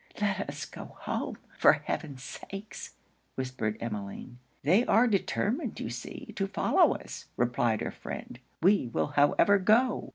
'Let us go home, for heaven's sake!' whispered Emmeline. 'They are determined, you see, to follow us,' replied her friend; 'we will however go.'